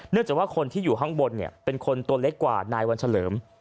จากว่าคนที่อยู่ข้างบนเป็นคนตัวเล็กกว่านายวันเฉลิม